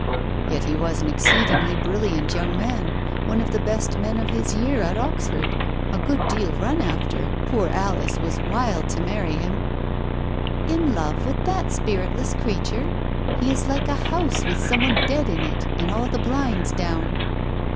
"Yet he was an exceedingly brilliant young man ; one of the best men of his year at Oxford — a good deal run after — poor Alice was wild to marry him 1 " "In love with that spiritless creature? He is like a house with some one dead in it, and all the blinds down